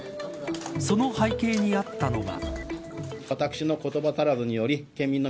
その背景にあったのが。